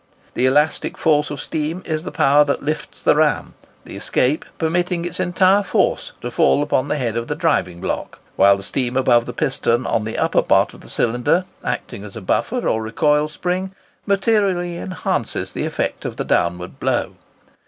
The elastic force of steam is the power that lifts the ram, the escape permitting its entire force to fall upon the head of the driving block; while the steam above the piston on the upper part of the cylinder, acting as a buffer or recoil spring, materially enhances the effect of the downward blow.